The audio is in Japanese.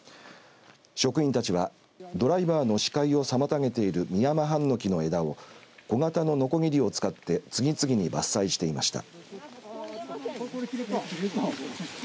職員たちは、ドライバーの視界を妨げているミヤマハンノキの枝を小型の、のこぎりを使って次々に伐採していました。